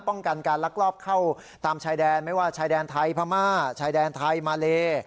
ป้องกันการลักลอบเข้าตามชายแดนไม่ว่าชายแดนไทยพม่าชายแดนไทยมาเล